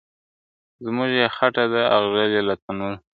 زموږ یې خټه ده اغږلې له تنوره ..